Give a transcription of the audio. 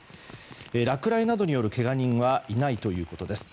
落雷などによるけが人はいないということです。